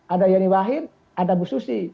ada yani wahid ada bu susti